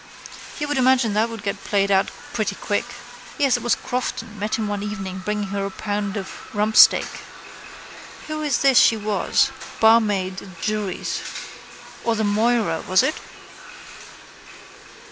You would imagine that would get played out pretty quick. Yes, it was Crofton met him one evening bringing her a pound of rumpsteak. What is this she was? Barmaid in Jury's. Or the Moira, was it?